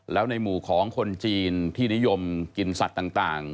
แล้วในหมู่ของคนจีนที่นิยมกินสัตว์ต่าง